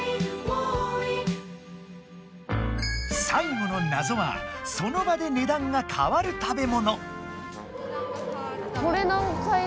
最後のナゾは「その場で値段が変わる食べもの」。